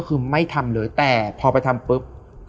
ครับ